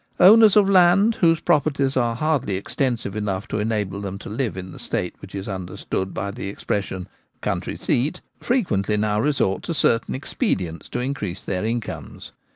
Owners of land, whose properties are hardly ex tensive enough to enable them to live in the state which is understood by the expression ' country seat/ frequently now resort to certain expedients to increase their incomes.